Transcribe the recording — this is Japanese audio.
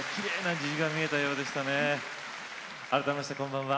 改めまして、こんばんは。